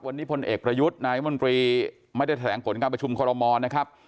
วันนี้พลเอกประยุทธ์นายมนตรีไม่ได้แถลงผลการประชุมคอลโมนะครับ